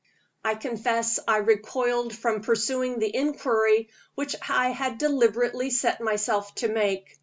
I confess I recoiled from pursuing the inquiry which I had deliberately set myself to make.